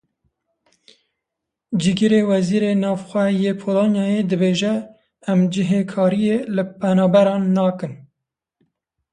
Cîgirê Wezîrê Navxwe yê Polonyayê dibêje; em cihêkariyê li penaberan nakin.